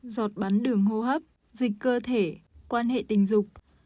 giọt bắn đường hô hấp dịch cơ thể quan hệ tình dục